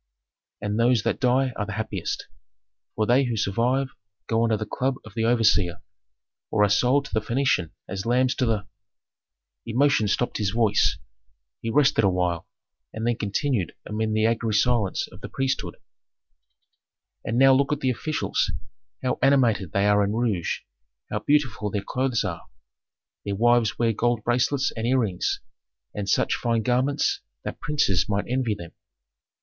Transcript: And those that die are the happiest, for they who survive go under the club of the overseer, or are sold to the Phœnician as lambs to the " Emotion stopped his voice; he rested awhile, and then continued amid the angry silence of the priesthood, "And now look at the officials, how animated they are in rouge, how beautiful their clothes are! Their wives wear gold bracelets and earrings, and such fine garments that princes might envy them.